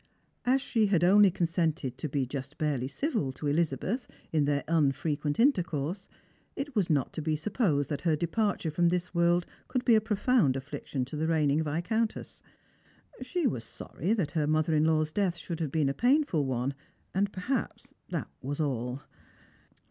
As she had only consented to be just barely civil to Elizabeth in their unfrequent intercourse, it was not to be supposed that hei departure from this world could be a profound affliction to the reigning Viscountess. She was sorry that her mother in law's death should have been a painful one, and perhaps that was all.